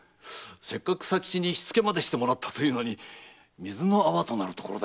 せっかく佐吉に火付けまでしてもらったというのに水の泡となるところでございました。